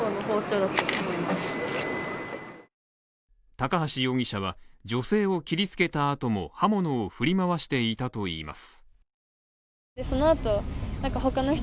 高橋容疑者は女性を切りつけた後も、刃物を振り回していたといいます。